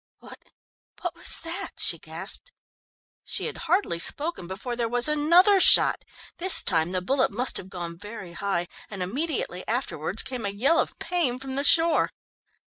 "What what was that?" she gasped. She had hardly spoken before there was another shot. This time the bullet must have gone very high, and immediately afterwards came a yell of pain from the shore.